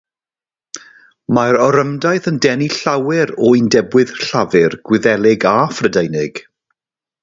Mae'r orymdaith yn denu llawer o undebwyr llafur Gwyddelig a Phrydeinig.